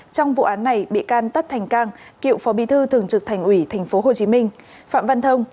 trong vụ án này bị can tất thành cang cựu phó bí thư thường trực thành ủy tp hcm phạm văn thông